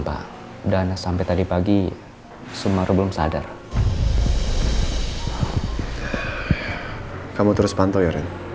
pak dana sampai tadi pagi semar belum sadar kamu terus pantau ya